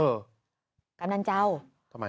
กำนันเจ้าทำไม